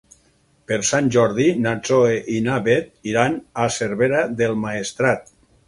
Per Sant Jordi na Zoè i na Bet iran a Cervera del Maestrat.